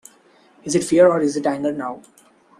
Is it fear or is it anger now?